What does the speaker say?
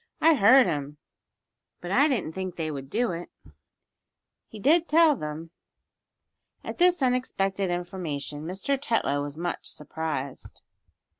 "I heard him, but I didn't think they would do it. He did tell them." At this unexpected information Mr. Tetlow was much surprised.